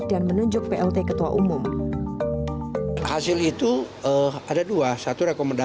dan menunjuk plt ketua umum